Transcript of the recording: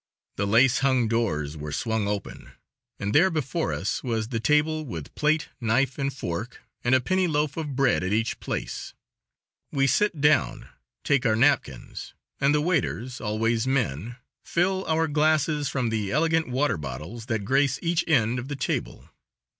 The lace hung doors were swung open, and there before us was the table with plate, knife and fork, and a penny loaf of bread at each place. We sit down, take our napkins, and the waiters always men fill our glasses from the elegant water bottles that grace each end of the table.